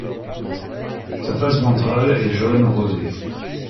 Sa face ventrale est jaune rosé.